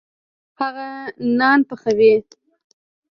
هغه نان پخوي.